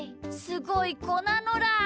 すごいこなのだ！